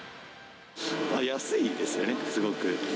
安いですね、すごく。